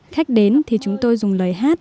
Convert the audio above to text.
khách đến thì chúng tôi dùng lời hát